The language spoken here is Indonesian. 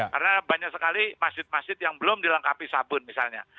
karena banyak sekali masjid masjid yang belum dilengkapi sabun misalnya